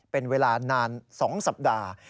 เป็นเวลานาน๒สัปดาห์